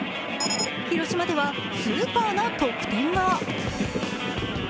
広島ではスーパーな得点が。